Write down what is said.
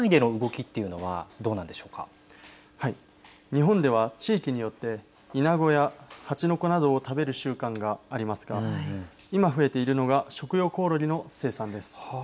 日本では地域によっていなごや蜂の子などを食べる習慣がありますが今増えているのが食用こおろぎの生産です。